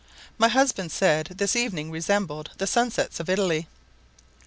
My husband said this evening resembled the sunsets of Italy.